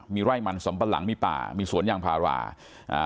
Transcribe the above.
มีไร่มันสำปะหลังมีป่ามีสวนยางพาราอ่า